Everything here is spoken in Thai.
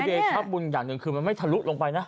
เดชะบุญอย่างหนึ่งคือมันไม่ทะลุลงไปนะ